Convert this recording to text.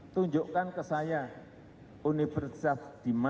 tunjukkan ke saya universitas di mana ada fakultas ekonomi digital